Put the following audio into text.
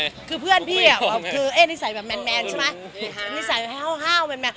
เนืส่ายแมนใช่ไหม